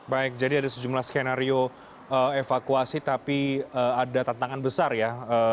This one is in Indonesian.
baik jadi ada sejumlah skenario evakuasi tapi ada tantangan besar ya